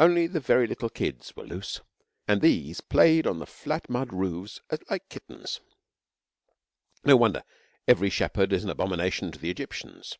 Only the very little kids were loose, and these played on the flat mud roofs like kittens. No wonder 'every shepherd is an abomination to the Egyptians.'